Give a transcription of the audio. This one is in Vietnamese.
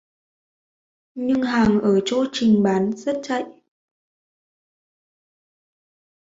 nhưng hàng ở chỗ trình bán rất chạy